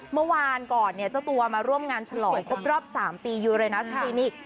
เมื่อวานก่อนเนี่ยเจ้าตัวมาร่วมงานฉลองครบรอบ๓ปียูเรนัสคลินิก